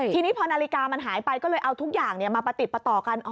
ทีนี้พอนาฬิกามันหายไปก็เลยเอาทุกอย่างมาประติดประต่อกัน